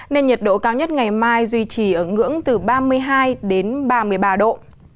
nên nhiệt độ cao nhất ngày mai duy trì ở ngưỡng từ ba mươi hai đến ba mươi ba độ